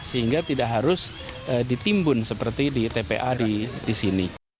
sehingga tidak harus ditimbun seperti di tpa di sini